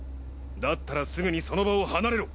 だったらすぐにその場を離れろ！